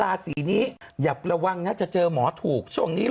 ไม่แล้วเปล่าว่าจะเจอหมอถูก